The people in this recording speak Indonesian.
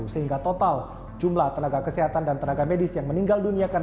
sehingga total jumlah tenaga kesehatan dan tenaga medis yang terhubung di dunia adalah lima belas orang